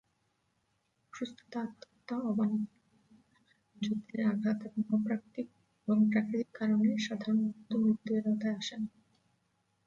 অসুস্থতা, আত্মহত্যা, অ-বাণিজ্যিক বিমান, যুদ্ধের আঘাত এবং প্রাকৃতিক কারণে সাধারণত মৃত্যু এর আওতায় আসে না।